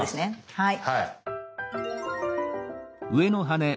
はい。